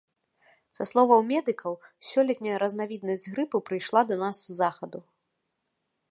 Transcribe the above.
Са словаў медыкаў, сёлетняя разнавіднасць грыпу прыйшла да нас з захаду.